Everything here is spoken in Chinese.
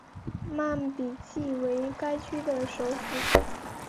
曼比季为该区的首府。